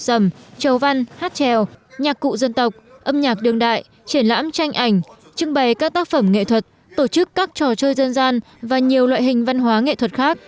sầm trầu văn hát trèo nhạc cụ dân tộc âm nhạc đường đại triển lãm tranh ảnh trưng bày các tác phẩm nghệ thuật tổ chức các trò chơi dân gian và nhiều loại hình văn hóa nghệ thuật khác